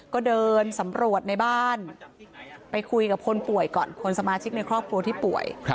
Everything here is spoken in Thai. ก็เดินสำรวจในบ้านไปคุยกับคนป่วยก่อนคนสมาชิกในครอบครัวที่ป่วย